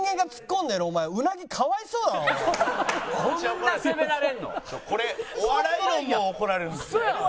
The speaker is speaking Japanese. これお笑い論も怒られるんですよ。